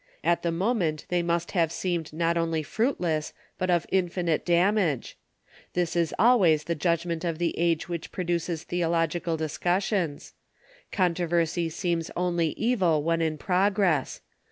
At the moment they must have seemed not only fruitless, but of infinite damage. This is always the judgment of the age which produces theological discussions. Controversy seems only evil when in progress.